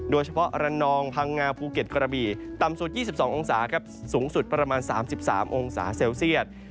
โดยเฉพาะอรานองพังงาภูเก็ตกระบีต่ำสุด๒๒องศาเซียตสูงสุดประมาณ๓๓องศาเซียต